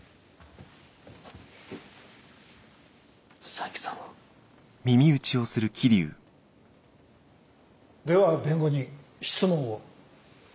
佐伯さんは？では弁護人質問を。